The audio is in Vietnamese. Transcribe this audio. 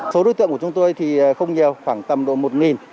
số đối tượng của chúng tôi thì không nhiều khoảng tầm độ một